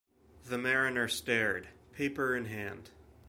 The mariner stared, paper in hand.